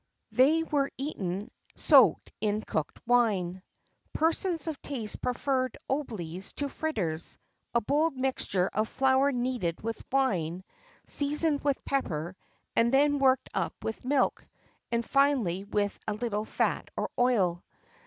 They were eaten soaked in cooked wine.[XXIV 4] Persons of taste preferred oublies to fritters a bold mixture of flour kneaded with wine, seasoned with pepper, and then worked up with milk, and, finally, with a little fat or oil.